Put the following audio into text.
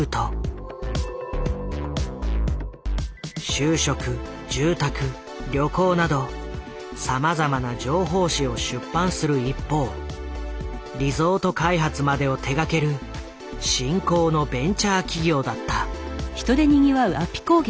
就職住宅旅行などさまざまな情報誌を出版する一方リゾート開発までを手がける新興のベンチャー企業だった。